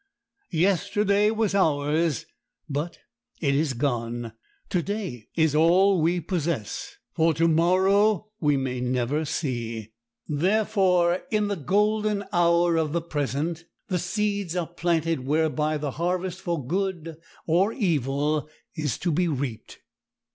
Yesterday was ours, but it is gone; today is all we possess, for to morrow we may never see; therefore, in the golden hour of the present the seeds are planted whereby the harvest for good or evil is to be reaped.